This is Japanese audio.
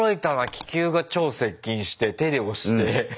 気球が超接近して手で押して。